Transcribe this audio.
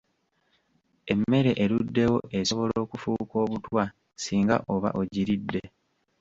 Emmere eruddewo esobola okufuuka obutwa singa oba ogiridde.